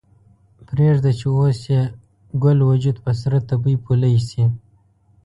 پریږده چې اوس یې ګل وجود په سره تبۍ پولۍ شي